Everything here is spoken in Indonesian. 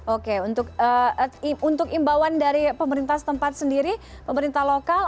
oke untuk imbauan dari pemerintah setempat sendiri pemerintah lokal